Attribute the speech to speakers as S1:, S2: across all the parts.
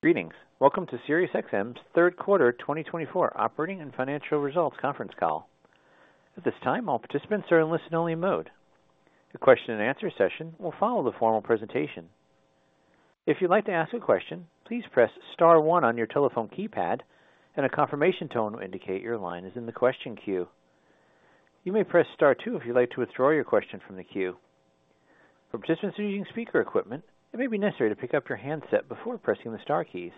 S1: Greetings. Welcome to SiriusXM's Q3 2024 operating and financial results conference call. At this time, all participants are in listen-only mode. The question-and-answer session will follow the formal presentation. If you'd like to ask a question, please press star one on your telephone keypad, and a confirmation tone will indicate your line is in the question queue. You may press star two if you'd like to withdraw your question from the queue. For participants using speaker equipment, it may be necessary to pick up your handset before pressing the star keys.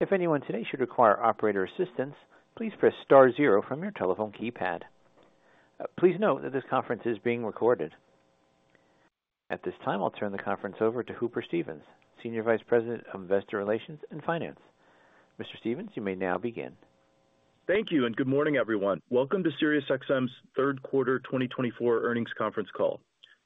S1: If anyone today should require operator assistance, please press star zero from your telephone keypad. Please note that this conference is being recorded. At this time, I'll turn the conference over to Hooper Stevens, Senior Vice President of Investor Relations and Finance. Mr. Stevens, you may now begin.
S2: Thank you and good morning, everyone. Welcome to SiriusXM's Q3 2024 earnings conference call.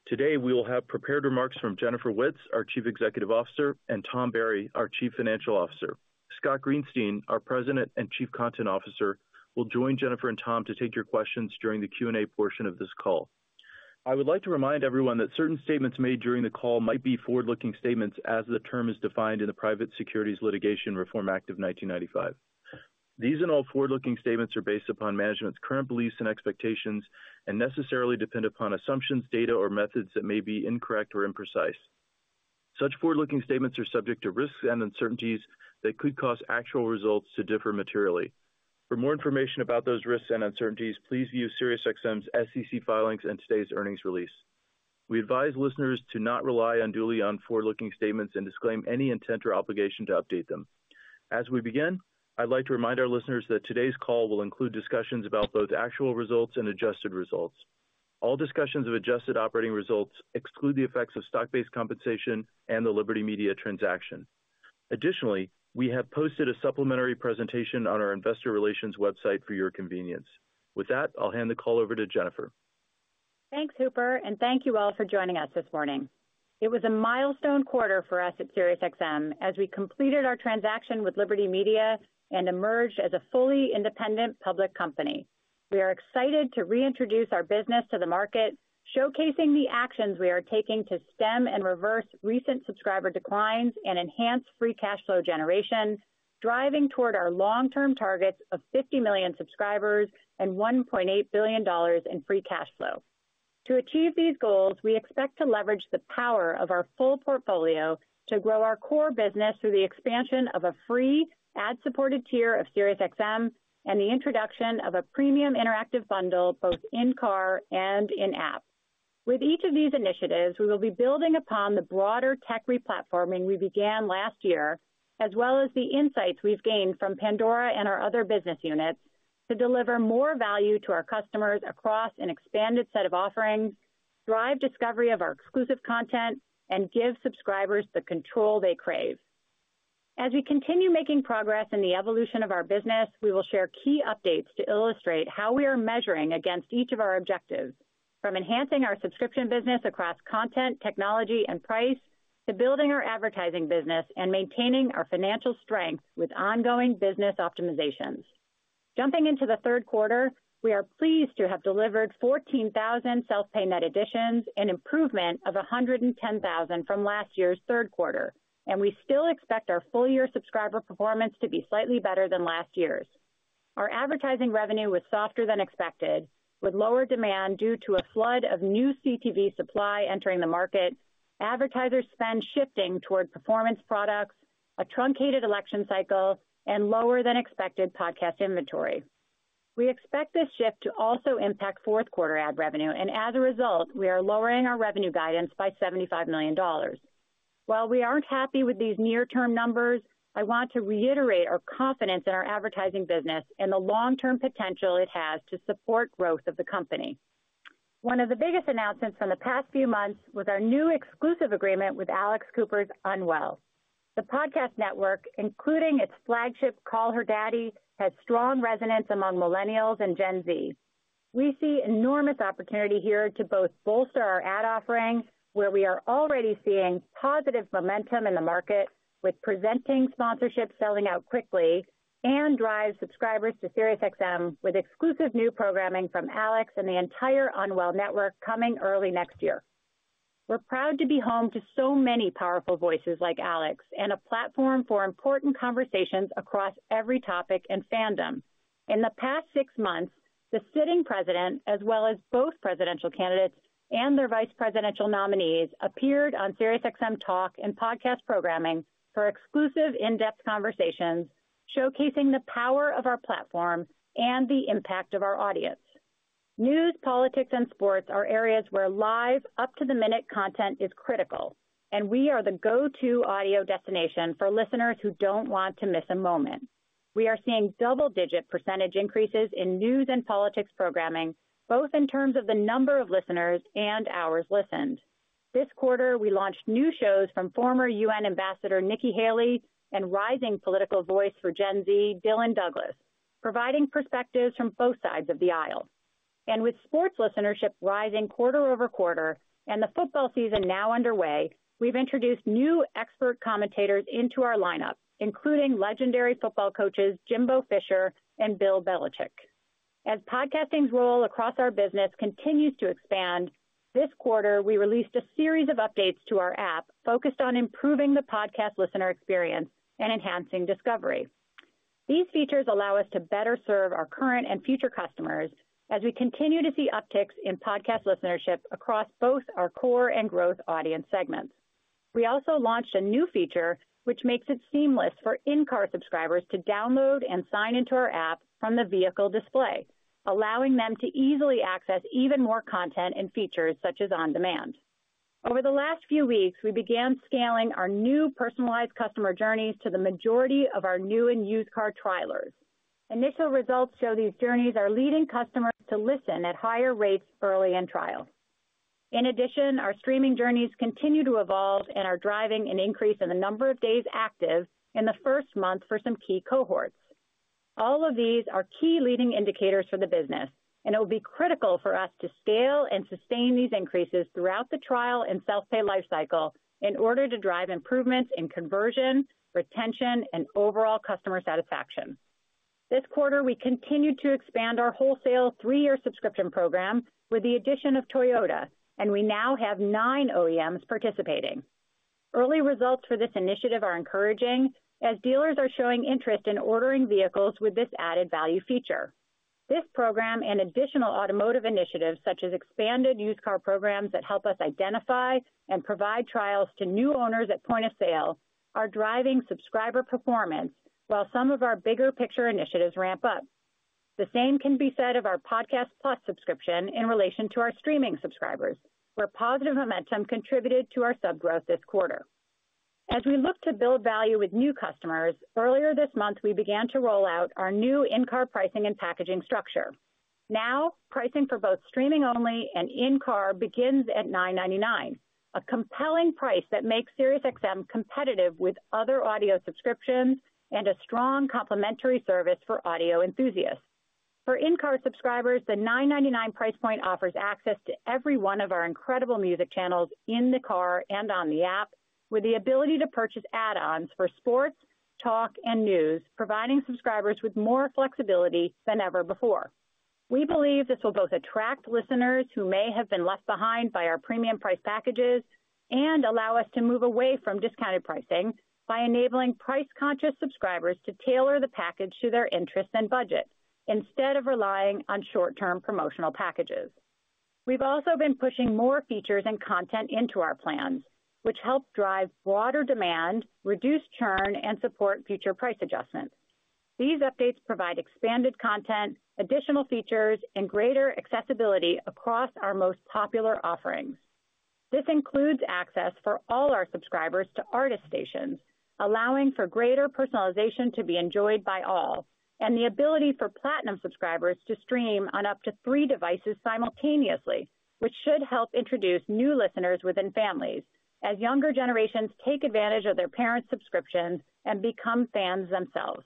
S2: Today, we will have prepared remarks from Jennifer Witz, our Chief Executive Officer, and Tom Barry, our Chief Financial Officer. Scott Greenstein, our President and Chief Content Officer, will join Jennifer and Tom to take your questions during the Q&A portion of this call. I would like to remind everyone that certain statements made during the call might be forward-looking statements, as the term is defined in the Private Securities Litigation Reform Act of 1995. These and all forward-looking statements are based upon management's current beliefs and expectations and necessarily depend upon assumptions, data, or methods that may be incorrect or imprecise. Such forward-looking statements are subject to risks and uncertainties that could cause actual results to differ materially. For more information about those risks and uncertainties, please view SiriusXM's SEC filings and today's earnings release. We advise listeners to not rely unduly on forward-looking statements and disclaim any intent or obligation to update them. As we begin, I'd like to remind our listeners that today's call will include discussions about both actual results and adjusted results. All discussions of adjusted operating results exclude the effects of stock-based compensation and the Liberty Media transaction. Additionally, we have posted a supplementary presentation on our Investor Relations website for your convenience. With that, I'll hand the call over to Jennifer.
S3: Thanks, Hooper, and thank you all for joining us this morning. It was a milestone quarter for us at SiriusXM as we completed our transaction with Liberty Media and emerged as a fully independent public company. We are excited to reintroduce our business to the market, showcasing the actions we are taking to stem and reverse recent subscriber declines and enhance free cash flow generation, driving toward our long-term targets of 50 million subscribers and $1.8 billion in free cash flow. To achieve these goals, we expect to leverage the power of our full portfolio to grow our core business through the expansion of a free ad-supported tier of SiriusXM and the introduction of a premium interactive bundle both in-car and in-app. With each of these initiatives, we will be building upon the broader tech re-platforming we began last year, as well as the insights we've gained from Pandora and our other business units to deliver more value to our customers across an expanded set of offerings, drive discovery of our exclusive content, and give subscribers the control they crave. As we continue making progress in the evolution of our business, we will share key updates to illustrate how we are measuring against each of our objectives, from enhancing our subscription business across content, technology, and price to building our advertising business and maintaining our financial strength with ongoing business optimizations. Jumping into the Q3, we are pleased to have delivered 14,000 self-pay net additions and an improvement of 110,000 from last year's Q3, and we still expect our full-year subscriber performance to be slightly better than last year's. Our advertising revenue was softer than expected, with lower demand due to a flood of new CTV supply entering the market, advertiser spend shifting toward performance products, a truncated election cycle, and lower-than-expected podcast inventory. We expect this shift to also impact fourth-quarter ad revenue, and as a result, we are lowering our revenue guidance by $75 million. While we aren't happy with these near-term numbers, I want to reiterate our confidence in our advertising business and the long-term potential it has to support growth of the company. One of the biggest announcements from the past few months was our new exclusive agreement with Alex Cooper's Unwell. The podcast network, including its flagship Call Her Daddy, has strong resonance among millennials and Gen Z. We see enormous opportunity here to both bolster our ad offering, where we are already seeing positive momentum in the market with presenting sponsorships selling out quickly, and drive subscribers to SiriusXM with exclusive new programming from Alex and the entire Unwell Network coming early next year. We're proud to be home to so many powerful voices like Alex and a platform for important conversations across every topic and fandom. In the past six months, the sitting president, as well as both presidential candidates and their vice presidential nominees, appeared on SiriusXM Talk and podcast programming for exclusive in-depth conversations, showcasing the power of our platform and the impact of our audience. News, politics, and sports are areas where live, up-to-the-minute content is critical, and we are the go-to audio destination for listeners who don't want to miss a moment. We are seeing double-digit percentage increases in news and politics programming, both in terms of the number of listeners and hours listened. This quarter, we launched new shows from former UN Ambassador Nikki Haley and rising political voice for Gen Z, Dylan Douglas, providing perspectives from both sides of the aisle. And with sports listenership rising quarter over quarter and the football season now underway, we've introduced new expert commentators into our lineup, including legendary football coaches Jimbo Fisher and Bill Belichick, and with sports listenership rising quarter over quarter and the football season now underway, we've introduced new expert commentators into our lineup, including legendary football coaches Jimbo Fisher and Bill Belichick. As podcasting's role across our business continues to expand, this quarter we released a series of updates to our app focused on improving the podcast listener experience and enhancing discovery. These features allow us to better serve our current and future customers as we continue to see upticks in podcast listenership across both our core and growth audience segments. We also launched a new feature which makes it seamless for in-car subscribers to download and sign into our app from the vehicle display, allowing them to easily access even more content and features such as on-demand. Over the last few weeks, we began scaling our new personalized customer journeys to the majority of our new and used car trials. Initial results show these journeys are leading customers to listen at higher rates early in trial. In addition, our streaming journeys continue to evolve and are driving an increase in the number of days active in the first month for some key cohorts. All of these are key leading indicators for the business, and it will be critical for us to scale and sustain these increases throughout the trial and self-pay life cycle in order to drive improvements in conversion, retention, and overall customer satisfaction. This quarter, we continued to expand our wholesale three-year subscription program with the addition of Toyota, and we now have nine OEMs participating. Early results for this initiative are encouraging as dealers are showing interest in ordering vehicles with this added value feature. This program and additional automotive initiatives, such as expanded used car programs that help us identify and provide trials to new owners at point of sale, are driving subscriber performance while some of our bigger picture initiatives ramp up. The same can be said of our Podcasts+ subscription in relation to our streaming subscribers, where positive momentum contributed to our sub growth this quarter. As we look to build value with new customers, earlier this month we began to roll out our new in-car pricing and packaging structure. Now, pricing for both streaming-only and in-car begins at $9.99, a compelling price that makes SiriusXM competitive with other audio subscriptions and a strong complementary service for audio enthusiasts. For in-car subscribers, the $9.99 price point offers access to every one of our incredible music channels in the car and on the app, with the ability to purchase add-ons for sports, talk, and news, providing subscribers with more flexibility than ever before. We believe this will both attract listeners who may have been left behind by our premium price packages and allow us to move away from discounted pricing by enabling price-conscious subscribers to tailor the package to their interests and budget instead of relying on short-term promotional packages. We've also been pushing more features and content into our plans, which help drive broader demand, reduce churn, and support future price adjustments. These updates provide expanded content, additional features, and greater accessibility across our most popular offerings. This includes access for all our subscribers to artist stations, allowing for greater personalization to be enjoyed by all, and the ability for Platinum subscribers to stream on up to three devices simultaneously, which should help introduce new listeners within families as younger generations take advantage of their parents' subscriptions and become fans themselves.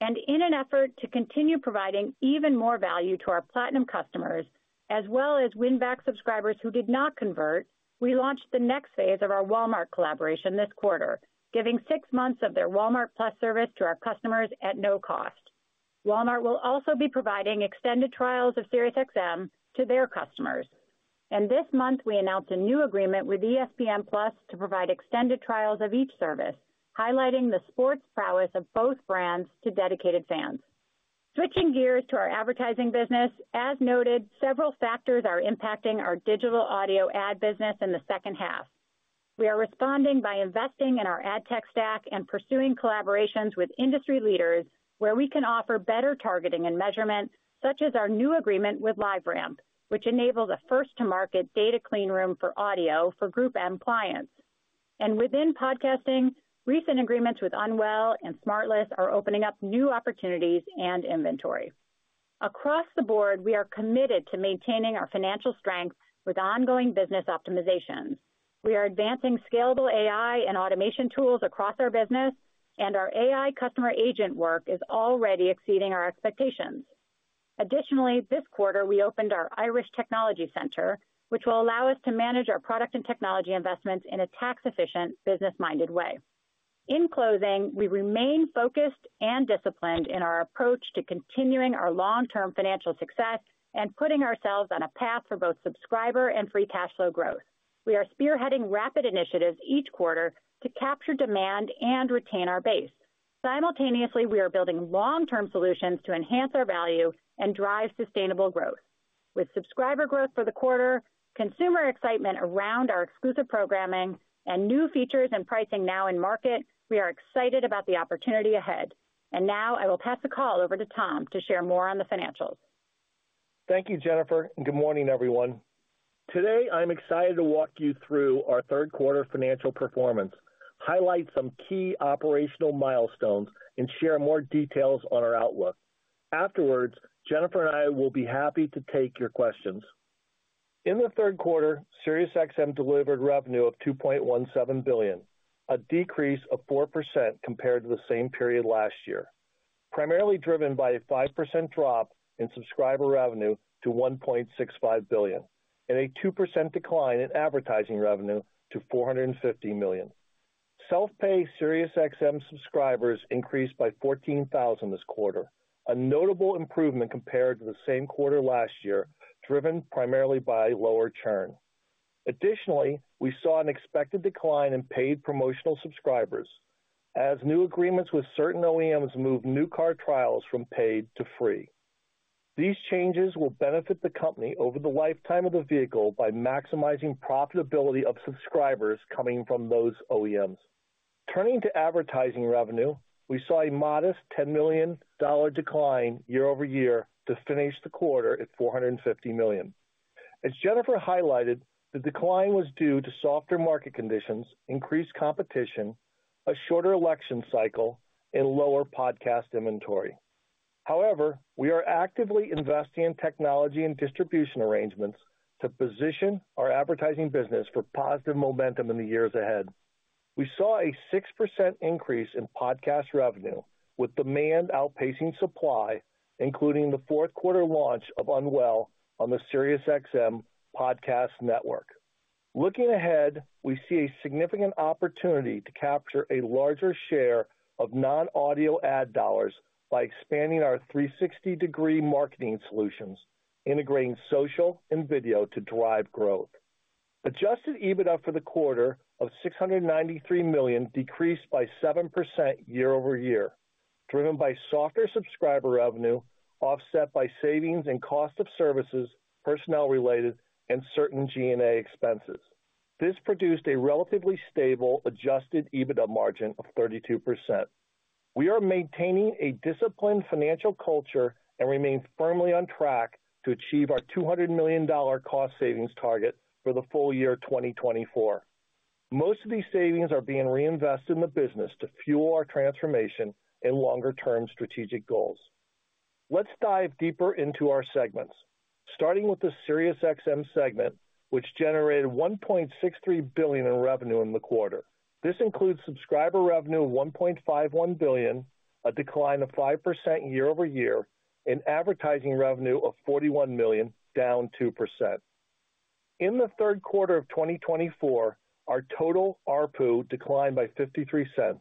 S3: And in an effort to continue providing even more value to our Platinum customers, as well as win-back subscribers who did not convert, we launched the next phase of our Walmart collaboration this quarter, giving six months of their Walmart+ service to our customers at no cost. Walmart will also be providing extended trials of SiriusXM to their customers. This month, we announced a new agreement with ESPN+ to provide extended trials of each service, highlighting the sports prowess of both brands to dedicated fans. Switching gears to our advertising business, as noted, several factors are impacting our digital audio ad business in the second half. We are responding by investing in our ad tech stack and pursuing collaborations with industry leaders where we can offer better targeting and measurement, such as our new agreement with LiveRamp, which enables a first-to-market data cleanroom for audio for GroupM clients. Within podcasting, recent agreements with Unwell and SmartLess are opening up new opportunities and inventory. Across the board, we are committed to maintaining our financial strength with ongoing business optimizations. We are advancing scalable AI and automation tools across our business, and our AI customer agent work is already exceeding our expectations. Additionally, this quarter, we opened our Irish Technology Center, which will allow us to manage our product and technology investments in a tax-efficient, business-minded way. In closing, we remain focused and disciplined in our approach to continuing our long-term financial success and putting ourselves on a path for both subscriber and free cash flow growth. We are spearheading rapid initiatives each quarter to capture demand and retain our base. Simultaneously, we are building long-term solutions to enhance our value and drive sustainable growth. With subscriber growth for the quarter, consumer excitement around our exclusive programming, and new features and pricing now in market, we are excited about the opportunity ahead, and now I will pass the call over to Tom to share more on the financials.
S4: Thank you, Jennifer, and good morning, everyone. Today, I'm excited to walk you through our Q3 financial performance, highlight some key operational milestones, and share more details on our outlook. Afterwards, Jennifer and I will be happy to take your questions. In the Q3, SiriusXM delivered revenue of $2.17 billion, a decrease of 4% compared to the same period last year, primarily driven by a 5% drop in subscriber revenue to $1.65 billion and a 2% decline in advertising revenue to $450 million. Self-pay SiriusXM subscribers increased by 14,000 this quarter, a notable improvement compared to the same quarter last year, driven primarily by lower churn. Additionally, we saw an expected decline in paid promotional subscribers as new agreements with certain OEMs move new car trials from paid to free. These changes will benefit the company over the lifetime of the vehicle by maximizing profitability of subscribers coming from those OEMs. Turning to advertising revenue, we saw a modest $10 million decline year over year to finish the quarter at $450 million. As Jennifer highlighted, the decline was due to softer market conditions, increased competition, a shorter election cycle, and lower podcast inventory. However, we are actively investing in technology and distribution arrangements to position our advertising business for positive momentum in the years ahead. We saw a 6% increase in podcast revenue, with demand outpacing supply, including the Q4 launch of The Unwell Network on the SiriusXM Podcast Network. Looking ahead, we see a significant opportunity to capture a larger share of non-audio ad dollars by expanding our 360-degree marketing solutions, integrating social and video to drive growth. Adjusted EBITDA for the quarter of $693 million decreased by 7% year over year, driven by softer subscriber revenue offset by savings in cost of services, personnel-related, and certain G&A expenses. This produced a relatively stable adjusted EBITDA margin of 32%. We are maintaining a disciplined financial culture and remain firmly on track to achieve our $200 million cost savings target for the full year 2024. Most of these savings are being reinvested in the business to fuel our transformation and longer-term strategic goals. Let's dive deeper into our segments, starting with the SiriusXM segment, which generated $1.63 billion in revenue in the quarter. This includes subscriber revenue of $1.51 billion, a decline of 5% year over year, and advertising revenue of $41 million, down 2%. In the Q3 of 2024, our total ARPU declined by $0.53,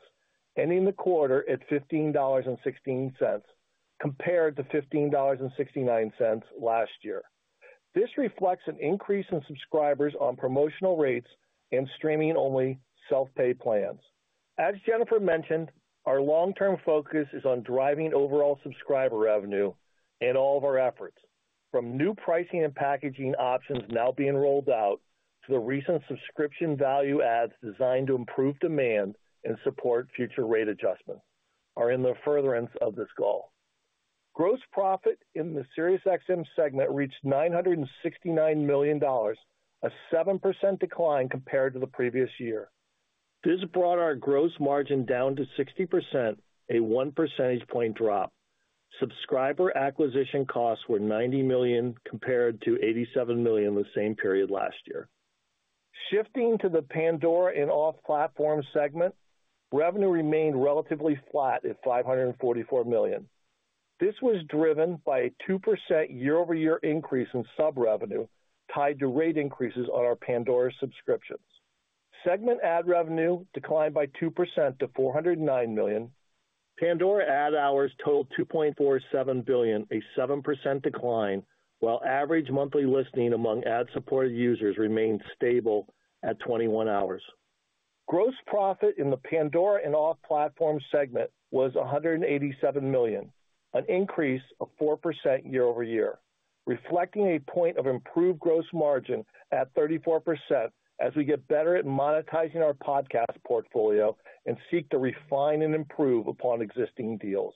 S4: ending the quarter at $15.16 compared to $15.69 last year. This reflects an increase in subscribers on promotional rates and streaming-only self-pay plans. As Jennifer mentioned, our long-term focus is on driving overall subscriber revenue in all of our efforts, from new pricing and packaging options now being rolled out to the recent subscription value adds designed to improve demand and support future rate adjustments. Are in the furtherance of this goal. Gross profit in the SiriusXM segment reached $969 million, a 7% decline compared to the previous year. This brought our gross margin down to 60%, a 1 percentage point drop. Subscriber acquisition costs were $90 million compared to $87 million the same period last year. Shifting to the Pandora and off-platform segment, revenue remained relatively flat at $544 million. This was driven by a 2% year-over-year increase in sub-revenue tied to rate increases on our Pandora subscriptions. Segment ad revenue declined by 2% to $409 million. Pandora ad hours totaled $2.47 billion, a 7% decline, while average monthly listening among ad-supported users remained stable at 21 hours. Gross profit in the Pandora and off-platform segment was $187 million, an increase of 4% year-over-year, reflecting a point of improved gross margin at 34% as we get better at monetizing our podcast portfolio and seek to refine and improve upon existing deals.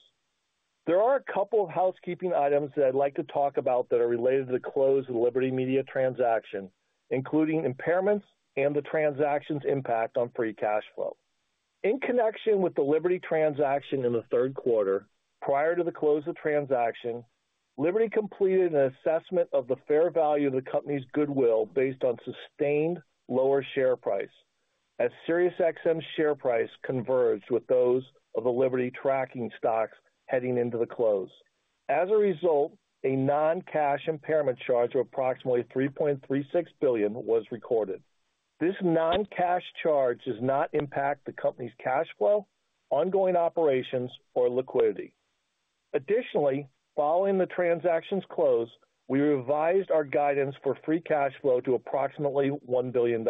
S4: There are a couple of housekeeping items that I'd like to talk about that are related to the close of Liberty Media transaction, including impairments and the transaction's impact on free cash flow. In connection with the Liberty transaction in the Q3, prior to the close of the transaction, Liberty completed an assessment of the fair value of the company's goodwill based on sustained lower share price, as Sirius XM's share price converged with those of the Liberty tracking stocks heading into the close. As a result, a non-cash impairment charge of approximately $3.36 billion was recorded. This non-cash charge does not impact the company's cash flow, ongoing operations, or liquidity. Additionally, following the transaction's close, we revised our guidance for free cash flow to approximately $1 billion.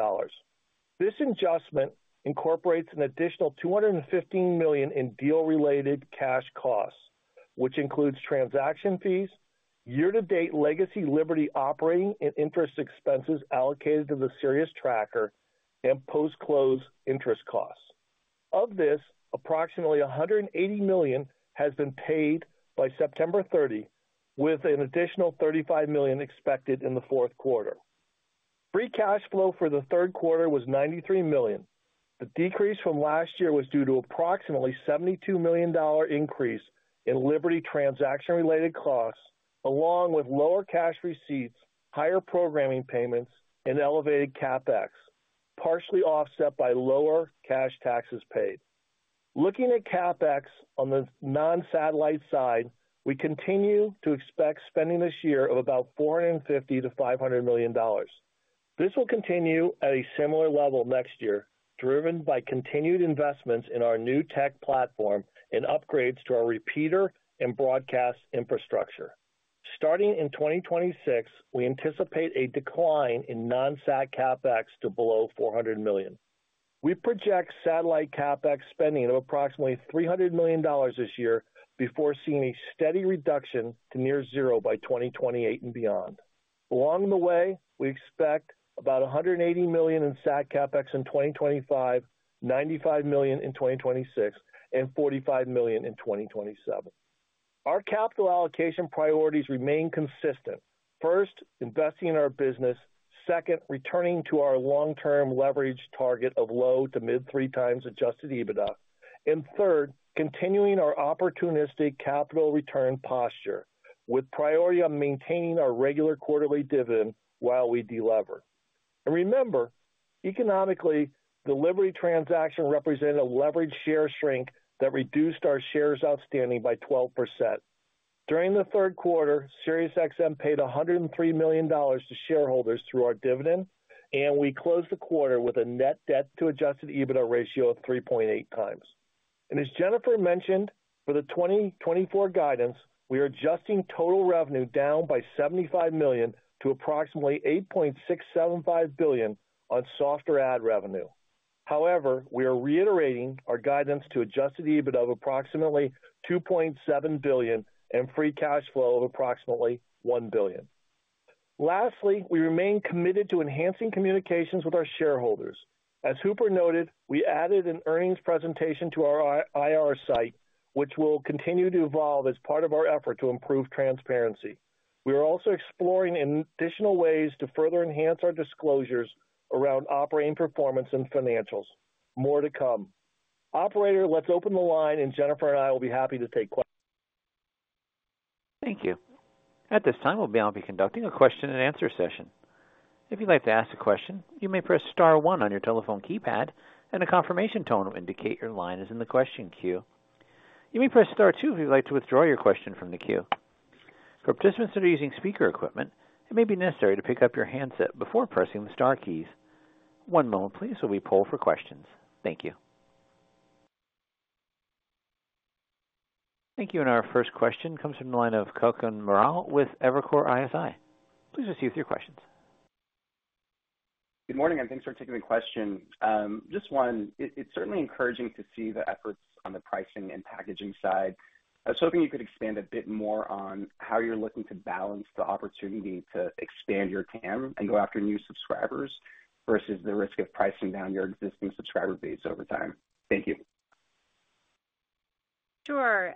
S4: This adjustment incorporates an additional $215 million in deal-related cash costs, which includes transaction fees, year-to-date legacy Liberty operating and interest expenses allocated to the Sirius tracker, and post-close interest costs. Of this, approximately $180 million has been paid by September 30, with an additional $35 million expected in the Q4. Free cash flow for the Q3 was $93 million. The decrease from last year was due to an approximately $72 million increase in Liberty transaction-related costs, along with lower cash receipts, higher programming payments, and elevated CapEx, partially offset by lower cash taxes paid. Looking at CapEx on the non-satellite side, we continue to expect spending this year of about $450-$500 million. This will continue at a similar level next year, driven by continued investments in our new tech platform and upgrades to our repeater and broadcast infrastructure. Starting in 2026, we anticipate a decline in non-SAT CapEx to below $400 million. We project satellite CapEx spending of approximately $300 million this year, before seeing a steady reduction to near zero by 2028 and beyond. Along the way, we expect about $180 million in SAT CapEx in 2025, $95 million in 2026, and $45 million in 2027. Our capital allocation priorities remain consistent. First, investing in our business. Second, returning to our long-term leverage target of low to mid-three times Adjusted EBITDA. And third, continuing our opportunistic capital return posture, with priority on maintaining our regular quarterly dividend while we deliver. And remember, economically, the Liberty transaction represented a leveraged share shrink that reduced our shares outstanding by 12%. During the Q3, Sirius XM paid $103 million to shareholders through our dividend, and we closed the quarter with a net debt-to-Adjusted EBITDA ratio of 3.8 times. And as Jennifer mentioned, for the 2024 guidance, we are adjusting total revenue down by $75 million to approximately $8.675 billion on softer ad revenue. However, we are reiterating our guidance to Adjusted EBITDA of approximately $2.7 billion and free cash flow of approximately $1 billion. Lastly, we remain committed to enhancing communications with our shareholders. As Hooper noted, we added an earnings presentation to our IR site, which will continue to evolve as part of our effort to improve transparency. We are also exploring additional ways to further enhance our disclosures around operating performance and financials. More to come. Operator, let's open the line, and Jennifer and I will be happy to take questions.
S1: Thank you. At this time, we'll now be conducting a question-and-answer session. If you'd like to ask a question, you may press Star 1 on your telephone keypad, and a confirmation tone will indicate your line is in the question queue. You may press Star 2 if you'd like to withdraw your question from the queue. For participants that are using speaker equipment, it may be necessary to pick up your handset before pressing the Star keys. One moment, please, while we pull for questions. Thank you. Thank you. And our first question comes from the line of Kutgun Maral with Evercore ISI. Please proceed with your questions.
S5: Good morning, and thanks for taking the question. Just one, it's certainly encouraging to see the efforts on the pricing and packaging side. I was hoping you could expand a bit more on how you're looking to balance the opportunity to expand your TAM and go after new subscribers versus the risk of pricing down your existing subscriber base over time. Thank you.
S3: Sure.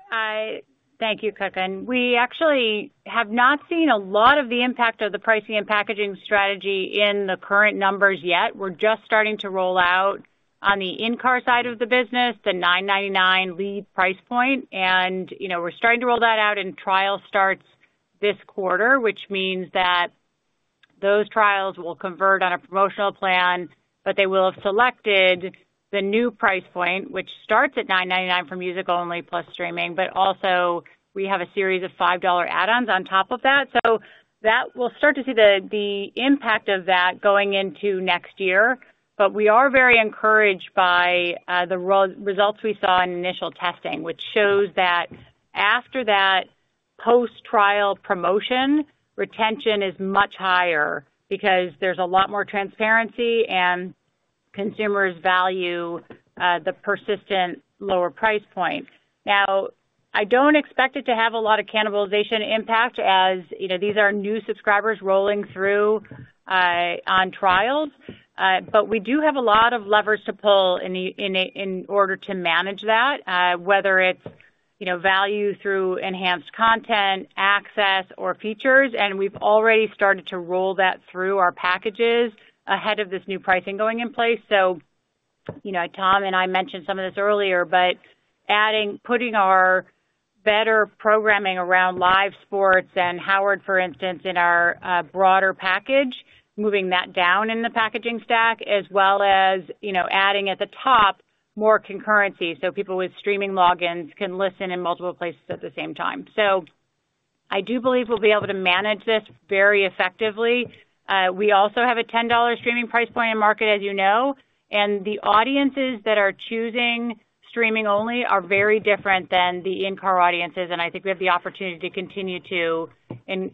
S3: Thank you, Kutgun. And we actually have not seen a lot of the impact of the pricing and packaging strategy in the current numbers yet. We're just starting to roll out on the in-car side of the business, the $9.99 lead price point. And we're starting to roll that out, and trials start this quarter, which means that those trials will convert on a promotional plan, but they will have selected the new price point, which starts at $9.99 for music only plus streaming, but also we have a series of $5 add-ons on top of that. So we'll start to see the impact of that going into next year. But we are very encouraged by the results we saw in initial testing, which shows that after that post-trial promotion, retention is much higher because there's a lot more transparency and consumers value the persistent lower price point. Now, I don't expect it to have a lot of cannibalization impact as these are new subscribers rolling through on trials, but we do have a lot of levers to pull in order to manage that, whether it's value through enhanced content, access, or features. And we've already started to roll that through our packages ahead of this new pricing going in place. So Tom and I mentioned some of this earlier, but putting our better programming around live sports and Howard, for instance, in our broader package, moving that down in the packaging stack, as well as adding at the top more concurrency so people with streaming logins can listen in multiple places at the same time. So I do believe we'll be able to manage this very effectively. We also have a $10 streaming price point in market, as you know, and the audiences that are choosing streaming only are very different than the in-car audiences, and I think we have the opportunity to continue to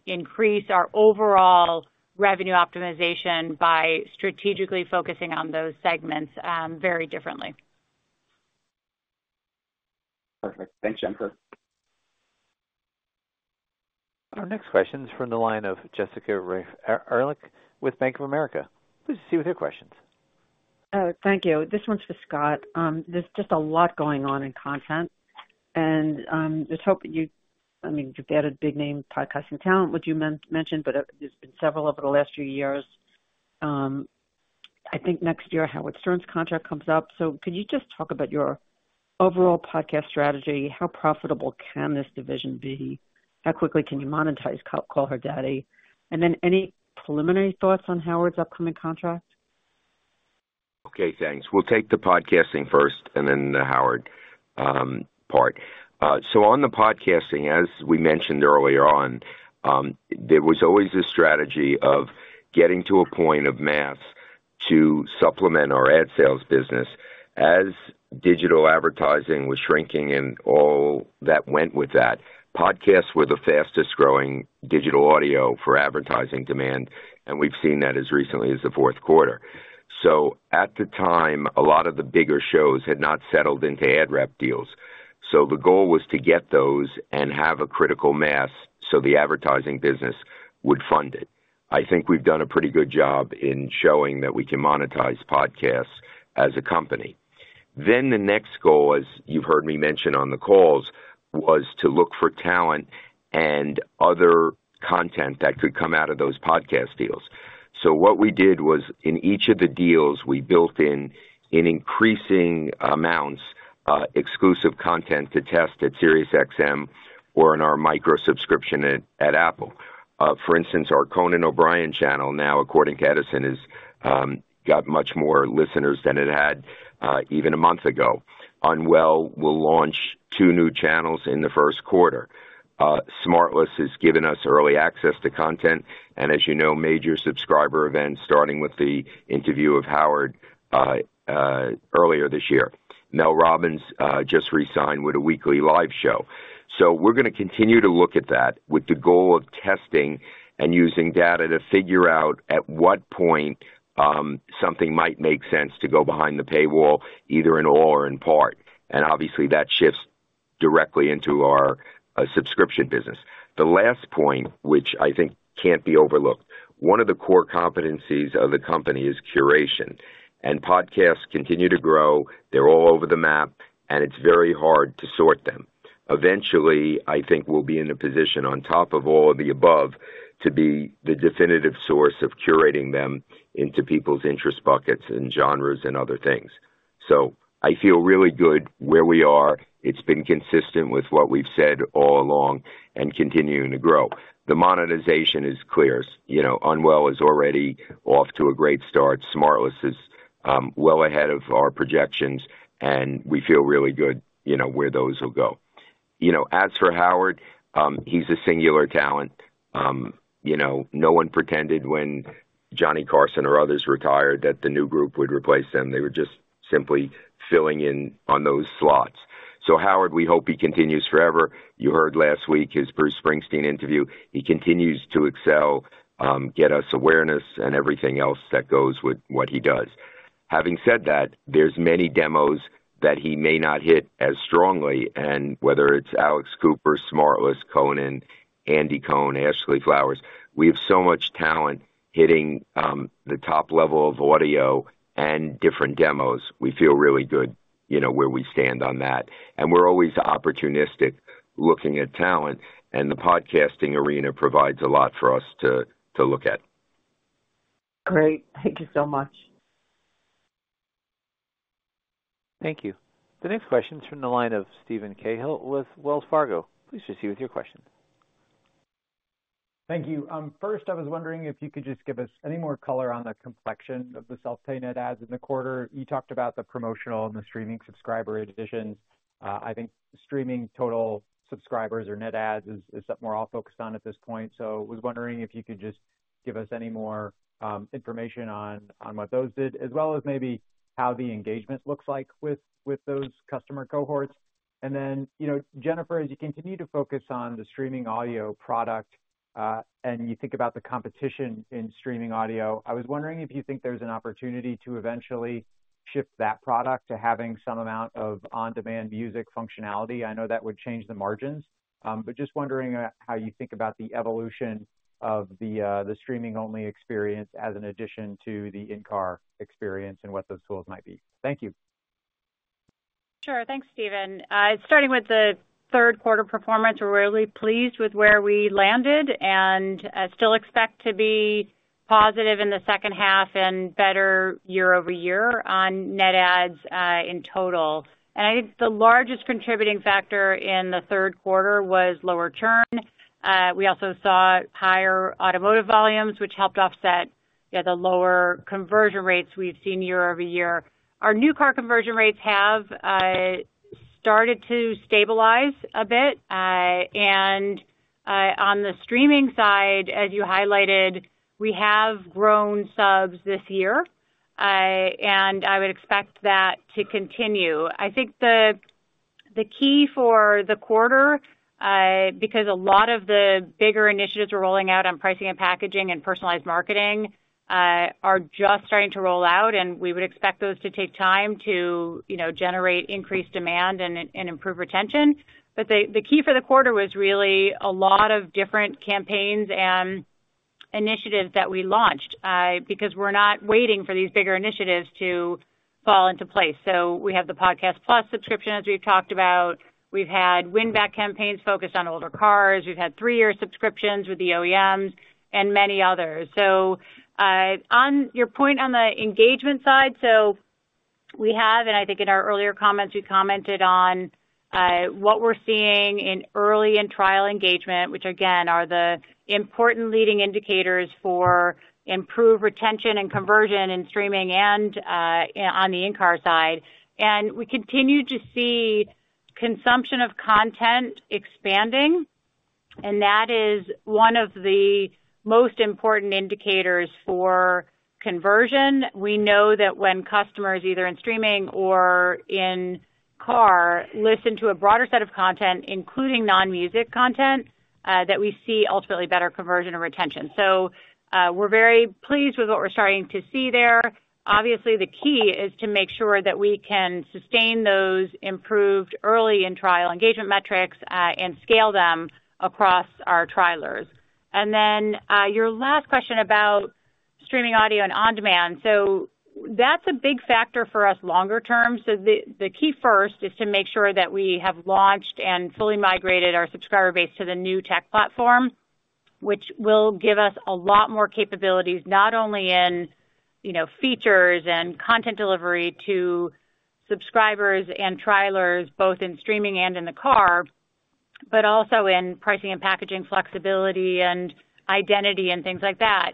S3: increase our overall revenue optimization by strategically focusing on those segments very differently.
S5: Perfect. Thanks, Jennifer.
S1: Our next question is from the line of Jessica Reif Ehrlich with Bank of America. Please proceed with your questions.
S5: Oh, thank you. This one's for Scott. There's just a lot going on in content. And I mean, you've got a big name, podcasting talent, which you mentioned, but there's been several over the last few years. I think next year, Howard Stern's contract comes up. So could you just talk about your overall podcast strategy? How profitable can this division be? How quickly can you monetize Call Her Daddy? And then any preliminary thoughts on Howard's upcoming contract?
S6: Okay. Thanks. We'll take the podcasting first and then the Howard part. So on the podcasting, as we mentioned earlier on, there was always this strategy of getting to a point of mass to supplement our ad sales business. As digital advertising was shrinking and all that went with that, podcasts were the fastest-growing digital audio for advertising demand, and we've seen that as recently as the Q4. So at the time, a lot of the bigger shows had not settled into ad rep deals. So the goal was to get those and have a critical mass so the advertising business would fund it. I think we've done a pretty good job in showing that we can monetize podcasts as a company. Then the next goal, as you've heard me mention on the calls, was to look for talent and other content that could come out of those podcast deals. So what we did was, in each of the deals, we built in increasing amounts of exclusive content to test at SiriusXM or in our micro-subscription at Apple. For instance, our Conan O'Brien channel now, according to Edison, has got much more listeners than it had even a month ago. Unwell will launch two new channels in the Q1. SmartLess has given us early access to content, and as you know, major subscriber events starting with the interview of Howard earlier this year. Mel Robbins just re-signed with a weekly live show. So we're going to continue to look at that with the goal of testing and using data to figure out at what point something might make sense to go behind the paywall, either in all or in part. And obviously, that shifts directly into our subscription business. The last point, which I think can't be overlooked, one of the core competencies of the company is curation. And podcasts continue to grow. They're all over the map, and it's very hard to sort them. Eventually, I think we'll be in a position on top of all of the above to be the definitive source of curating them into people's interest buckets and genres and other things. So I feel really good where we are. It's been consistent with what we've said all along and continuing to grow. The monetization is clear. Unwell is already off to a great start. SmartLess is well ahead of our projections, and we feel really good where those will go. As for Howard, he's a singular talent. No one pretended when Johnny Carson or others retired that the new group would replace them. They were just simply filling in on those slots. So Howard, we hope he continues forever. You heard last week his Bruce Springsteen interview. He continues to excel, get us awareness, and everything else that goes with what he does. Having said that, there's many demos that he may not hit as strongly. And whether it's Alex Cooper, SmartLess, Conan, Andy Cohen, Ashley Flowers, we have so much talent hitting the top level of audio and different demos. We feel really good where we stand on that. And we're always opportunistic looking at talent, and the podcasting arena provides a lot for us to look at.
S5: Great. Thank you so much.
S1: Thank you. The next question is from the line of Steven Cahill with Wells Fargo. Please proceed with your question.
S5: Thank you. First, I was wondering if you could just give us any more color on the composition of the self-pay net adds in the quarter. You talked about the promotional and the streaming subscriber additions. I think streaming total subscribers or net adds is something we're all focused on at this point. So I was wondering if you could just give us any more information on what those did, as well as maybe how the engagement looks like with those customer cohorts. And then, Jennifer, as you continue to focus on the streaming audio product and you think about the competition in streaming audio, I was wondering if you think there's an opportunity to eventually shift that product to having some amount of on-demand music functionality. I know that would change the margins, but just wondering how you think about the evolution of the streaming-only experience as an addition to the in-car experience and what those tools might be? Thank you.
S3: Sure. Thanks, Steven. Starting with the Q3 performance, we're really pleased with where we landed and still expect to be positive in the second half and better year over year on net ads in total, and I think the largest contributing factor in the Q3 was lower churn. We also saw higher automotive volumes, which helped offset the lower conversion rates we've seen year over year. Our new car conversion rates have started to stabilize a bit, and on the streaming side, as you highlighted, we have grown subs this year, and I would expect that to continue. I think the key for the quarter, because a lot of the bigger initiatives we're rolling out on pricing and packaging and personalized marketing are just starting to roll out, and we would expect those to take time to generate increased demand and improve retention. But the key for the quarter was really a lot of different campaigns and initiatives that we launched because we're not waiting for these bigger initiatives to fall into place. So we have the Podcast Plus subscription, as we've talked about. We've had win-back campaigns focused on older cars. We've had three-year subscriptions with the OEMs and many others. So on your point on the engagement side, so we have, and I think in our earlier comments, we commented on what we're seeing in early and trial engagement, which, again, are the important leading indicators for improved retention and conversion in streaming and on the in-car side. And we continue to see consumption of content expanding, and that is one of the most important indicators for conversion. We know that when customers either in streaming or in car listen to a broader set of content, including non-music content, that we see ultimately better conversion and retention, so we're very pleased with what we're starting to see there. Obviously, the key is to make sure that we can sustain those improved early in-trial engagement metrics and scale them across our trailers, and then your last question about streaming audio and on-demand, so that's a big factor for us longer term, so the key first is to make sure that we have launched and fully migrated our subscriber base to the new tech platform, which will give us a lot more capabilities, not only in features and content delivery to subscribers and trailers, both in streaming and in the car, but also in pricing and packaging flexibility and identity and things like that.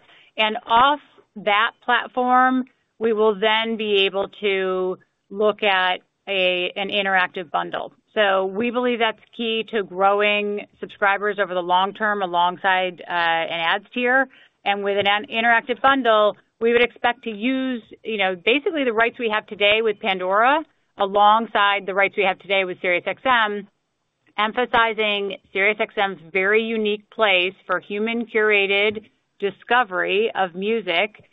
S3: Off that platform, we will then be able to look at an interactive bundle. We believe that's key to growing subscribers over the long term alongside an ads tier. With an interactive bundle, we would expect to use basically the rights we have today with Pandora alongside the rights we have today with SiriusXM, emphasizing SiriusXM's very unique place for human-curated discovery of music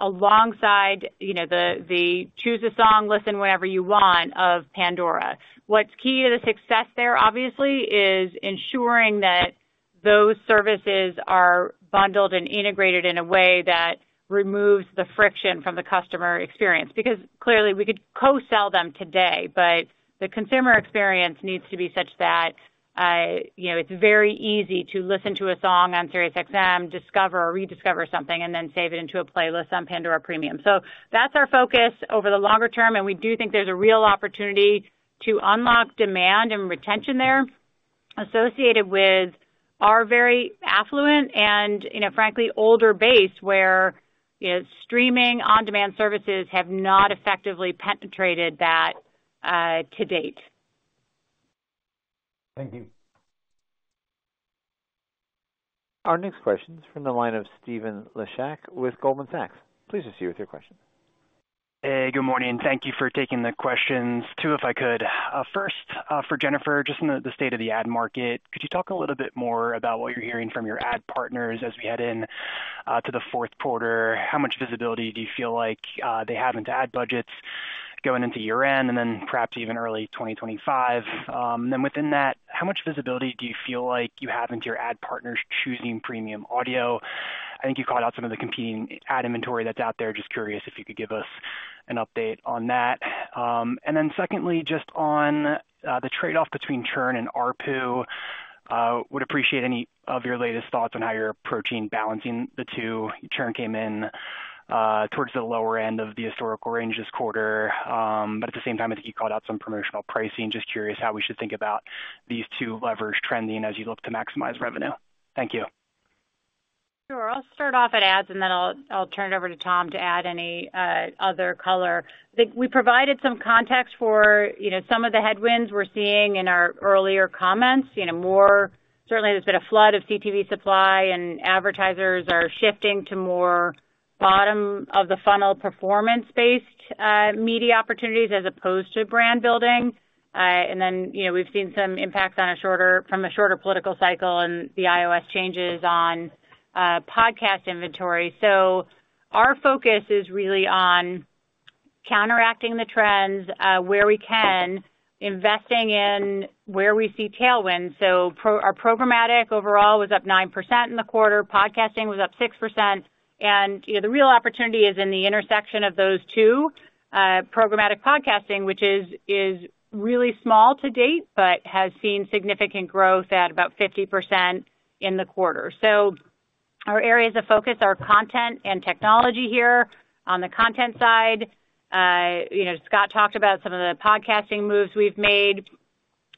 S3: alongside the choose a song, listen whenever you want of Pandora. What's key to the success there, obviously, is ensuring that those services are bundled and integrated in a way that removes the friction from the customer experience. Because clearly, we could co-sell them today, but the consumer experience needs to be such that it's very easy to listen to a song on SiriusXM, discover or rediscover something, and then save it into a playlist on Pandora Premium. So that's our focus over the longer term, and we do think there's a real opportunity to unlock demand and retention there associated with our very affluent and, frankly, older base where streaming on-demand services have not effectively penetrated that to date.
S5: Thank you.
S1: Our next question is from the line of Stephen Laszczyk with Goldman Sachs. Please proceed with your question.
S5: Hey, good morning. Thank you for taking the questions. Two, if I could. First, for Jennifer, just in the state of the ad market, could you talk a little bit more about what you're hearing from your ad partners as we head into the Q4? How much visibility do you feel like they have into ad budgets going into year-end and then perhaps even early 2025? And then within that, how much visibility do you feel like you have into your ad partners choosing premium audio? I think you called out some of the competing ad inventory that's out there. Just curious if you could give us an update on that. And then secondly, just on the trade-off between Churn and ARPU, would appreciate any of your latest thoughts on how you're approaching balancing the two. Churn came in towards the lower end of the historical range this quarter, but at the same time, I think you called out some promotional pricing. Just curious how we should think about these two levers trending as you look to maximize revenue? Thank you.
S3: Sure. I'll start off at ads, and then I'll turn it over to Tom to add any other color. I think we provided some context for some of the headwinds we're seeing in our earlier comments. Certainly, there's been a flood of CTV supply, and advertisers are shifting to more bottom-of-the-funnel performance-based media opportunities as opposed to brand building. And then we've seen some impacts from a shorter political cycle and the iOS changes on podcast inventory, so our focus is really on counteracting the trends where we can, investing in where we see tailwinds, so our programmatic overall was up 9% in the quarter. Podcasting was up 6%, and the real opportunity is in the intersection of those two. Programmatic podcasting, which is really small to date, but has seen significant growth at about 50% in the quarter, so our areas of focus are content and technology here. On the content side, Scott talked about some of the podcasting moves we've made.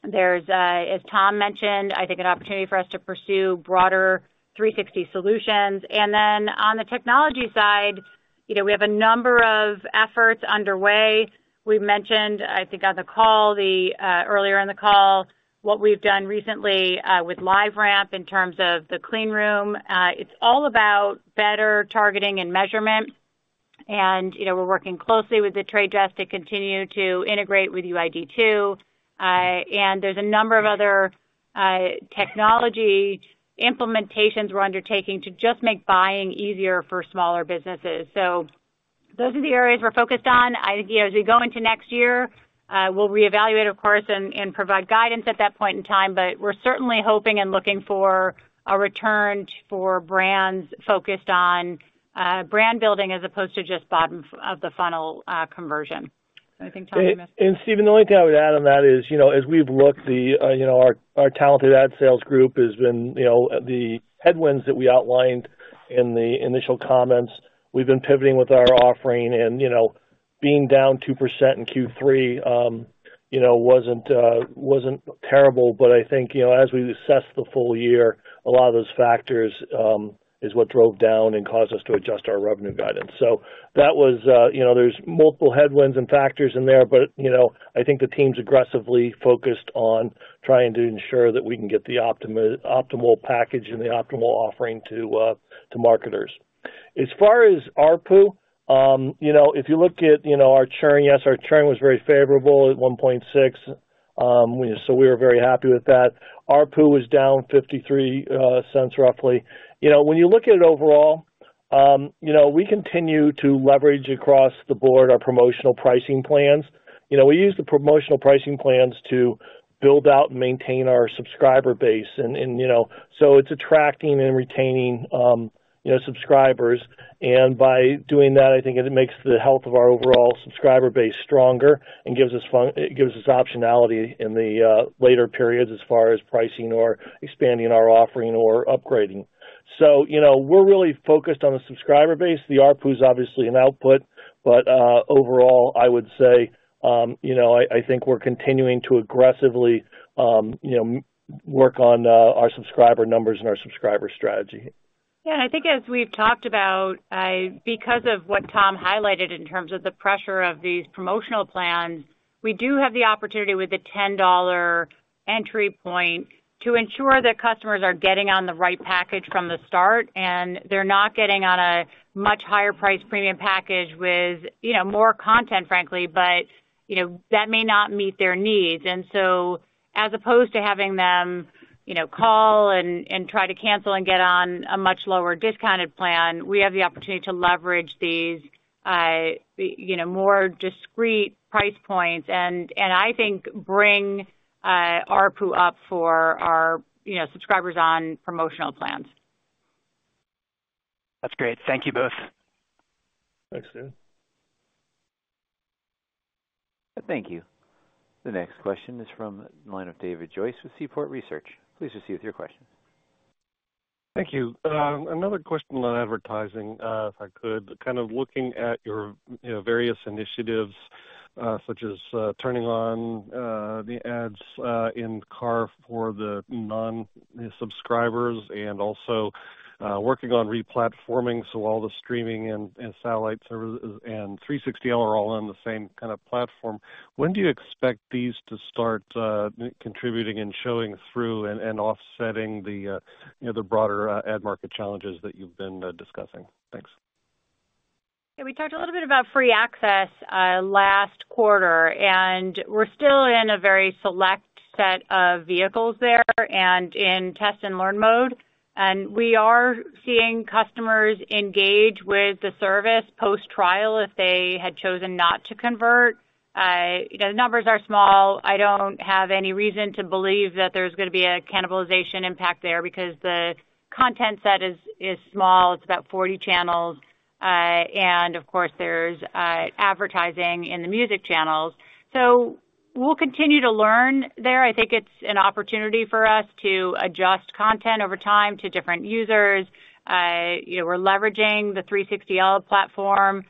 S3: There's, as Tom mentioned, I think an opportunity for us to pursue broader 360 solutions. And then on the technology side, we have a number of efforts underway. We mentioned, I think, earlier in the call what we've done recently with LiveRamp in terms of the clean room. It's all about better targeting and measurement. And we're working closely with The Trade Desk to continue to integrate with UID2. And there's a number of other technology implementations we're undertaking to just make buying easier for smaller businesses. So those are the areas we're focused on. As we go into next year, we'll reevaluate, of course, and provide guidance at that point in time, but we're certainly hoping and looking for a return for brands focused on brand building as opposed to just bottom-of-the-funnel conversion. So, I think, Tom.
S4: Steven, the only thing I would add on that is, as we've looked, our talented ad sales group has faced the headwinds that we outlined in the initial comments. We've been pivoting with our offering, and being down 2% in Q3 wasn't terrible, but I think as we assessed the full year, a lot of those factors is what drove down and caused us to adjust our revenue guidance, so there's multiple headwinds and factors in there, but I think the team's aggressively focused on trying to ensure that we can get the optimal package and the optimal offering to marketers. As far as ARPU, if you look at our churn, yes, our churn was very favorable at 1.6%, so we were very happy with that. ARPU was down $0.53 roughly. When you look at it overall, we continue to leverage across the board our promotional pricing plans. We use the promotional pricing plans to build out and maintain our subscriber base. And so it's attracting and retaining subscribers. And by doing that, I think it makes the health of our overall subscriber base stronger and gives us optionality in the later periods as far as pricing or expanding our offering or upgrading. So we're really focused on the subscriber base. The ARPU is obviously an output, but overall, I would say I think we're continuing to aggressively work on our subscriber numbers and our subscriber strategy.
S3: Yeah. And I think as we've talked about, because of what Tom highlighted in terms of the pressure of these promotional plans, we do have the opportunity with the $10 entry point to ensure that customers are getting on the right package from the start, and they're not getting on a much higher-priced premium package with more content, frankly, but that may not meet their needs. And so as opposed to having them call and try to cancel and get on a much lower discounted plan, we have the opportunity to leverage these more discreet price points and I think bring ARPU up for our subscribers on promotional plans.
S5: That's great. Thank you both.
S4: Thanks, Steven.
S1: Thank you. The next question is from the line of David Joyce with Seaport Research. Please proceed with your questions.
S4: Thank you. Another question on advertising, if I could. Kind of looking at your various initiatives such as turning on the ads in-car for the non-subscribers and also working on replatforming, so all the streaming and satellite services and 360 are all on the same kind of platform. When do you expect these to start contributing and showing through and offsetting the broader ad market challenges that you've been discussing? Thanks.
S3: Yeah. We talked a little bit about free access last quarter, and we're still in a very select set of vehicles there and in test and learn mode. And we are seeing customers engage with the service post-trial if they had chosen not to convert. The numbers are small. I don't have any reason to believe that there's going to be a cannibalization impact there because the content set is small. It's about 40 channels. And of course, there's advertising in the music channels. So we'll continue to learn there. I think it's an opportunity for us to adjust content over time to different users. We're leveraging the 360L platform.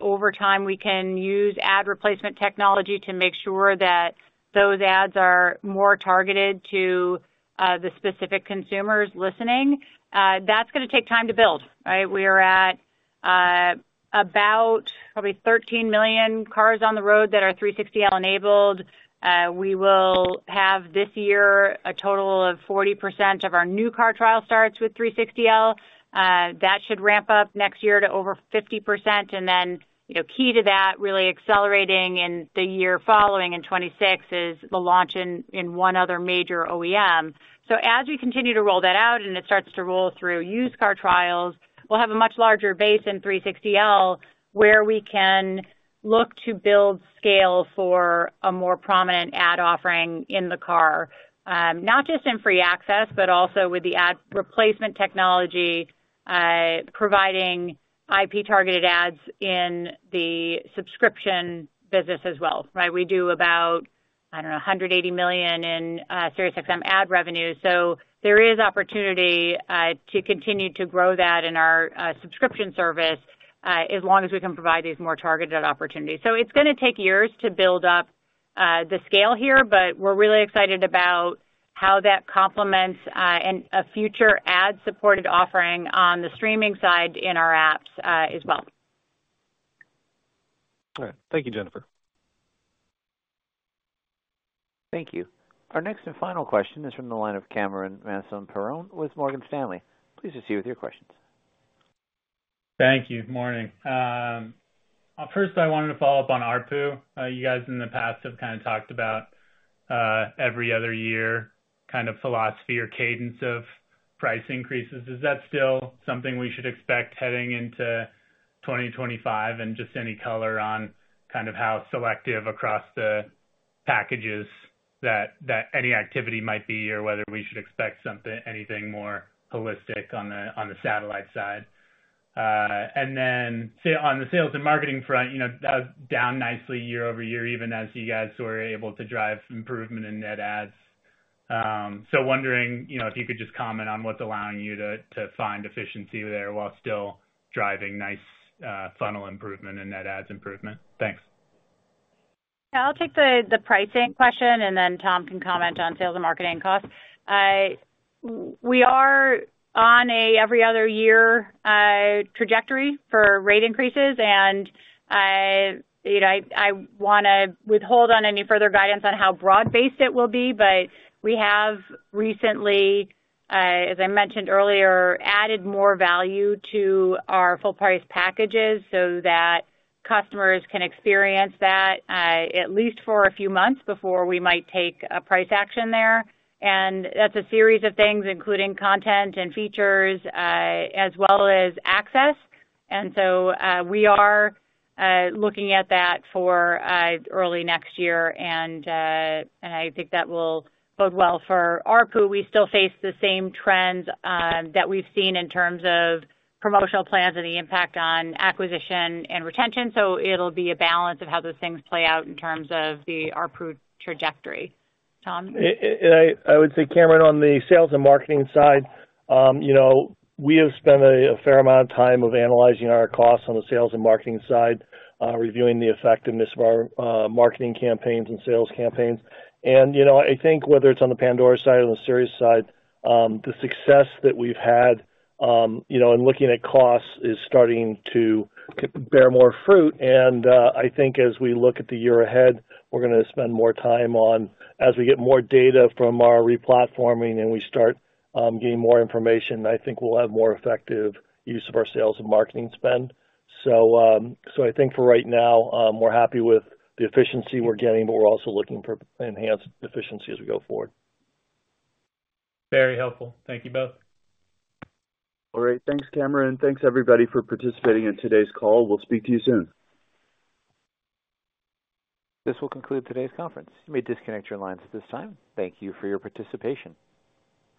S3: Over time, we can use ad replacement technology to make sure that those ads are more targeted to the specific consumers listening. That's going to take time to build. We are at about probably 13 million cars on the road that are 360L enabled. We will have this year a total of 40% of our new car trial starts with 360L. That should ramp up next year to over 50%. And then key to that, really accelerating in the year following in 2026, is the launch in one other major OEM. So as we continue to roll that out and it starts to roll through used car trials, we'll have a much larger base in 360L where we can look to build scale for a more prominent ad offering in the car, not just in free access, but also with the ad replacement technology providing IP-targeted ads in the subscription business as well. We do about, I don't know, $180 million in SiriusXM ad revenue. So there is opportunity to continue to grow that in our subscription service as long as we can provide these more targeted opportunities. So it's going to take years to build up the scale here, but we're really excited about how that complements a future ad-supported offering on the streaming side in our apps as well.
S4: All right. Thank you, Jennifer.
S1: Thank you. Our next and final question is from the line of Cameron Mansson-Perrone with Morgan Stanley. Please proceed with your questions.
S5: Thank you. Morning. First, I wanted to follow up on ARPU. You guys in the past have kind of talked about every other year kind of philosophy or cadence of price increases. Is that still something we should expect heading into 2025? And just any color on kind of how selective across the packages that any activity might be or whether we should expect anything more holistic on the satellite side. And then on the sales and marketing front, that was down nicely year over year, even as you guys were able to drive improvement in net ads. So wondering if you could just comment on what's allowing you to find efficiency there while still driving nice funnel improvement and net ads improvement. Thanks.
S3: Yeah. I'll take the pricing question, and then Tom can comment on sales and marketing costs. We are on an every other year trajectory for rate increases, and I want to withhold on any further guidance on how broad-based it will be, but we have recently, as I mentioned earlier, added more value to our full-price packages so that customers can experience that at least for a few months before we might take a price action there. And that's a series of things, including content and features as well as access. And so we are looking at that for early next year, and I think that will bode well for ARPU. We still face the same trends that we've seen in terms of promotional plans and the impact on acquisition and retention. So it'll be a balance of how those things play out in terms of the ARPU trajectory. Tom?
S4: And I would say, Cameron, on the sales and marketing side, we have spent a fair amount of time analyzing our costs on the sales and marketing side, reviewing the effectiveness of our marketing campaigns and sales campaigns. And I think whether it's on the Pandora side or the Sirius side, the success that we've had in looking at costs is starting to bear more fruit. And I think as we look at the year ahead, we're going to spend more time on. As we get more data from our replatforming and we start getting more information, I think we'll have more effective use of our sales and marketing spend. So I think for right now, we're happy with the efficiency we're getting, but we're also looking for enhanced efficiency as we go forward.
S2: Very helpful. Thank you both.
S4: All right. Thanks, Cameron. Thanks, everybody, for participating in today's call. We'll speak to you soon.
S1: This will conclude today's conference. You may disconnect your lines at this time. Thank you for your participation.